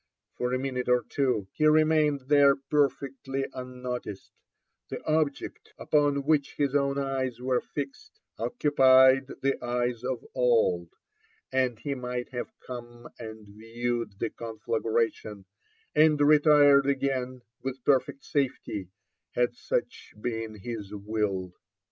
For a minute or two he remained there perfectly unnoticed : the object upon which his own eyes were fixed occupied the eyes of all, and he might have come and viewed the conflagration, and retired again with perfect safety, had such been his will.